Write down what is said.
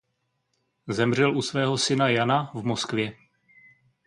Zemřel u svého syna Jana v Moskvě.